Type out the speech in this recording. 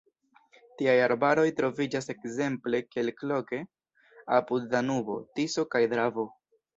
Tiaj arbaroj troviĝas ekzemple kelkloke apud Danubo, Tiso kaj Dravo.